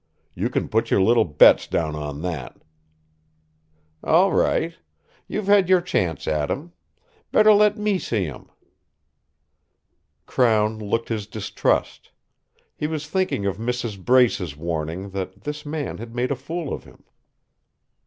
You can put your little bets down on that!" "All right. You've had your chance at him. Better let me see him." Crown looked his distrust. He was thinking of Mrs. Brace's warning that this man had made a fool of him.